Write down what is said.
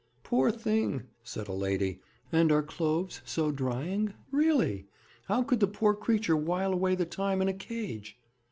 'Poor thing!' said a lady. 'And are cloves so drying? Really! How could the poor creature while away the time in a cage?'